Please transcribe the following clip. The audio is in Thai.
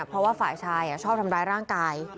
เพราะว่าฝ่ายชายชอบทำร้ายร่างกาย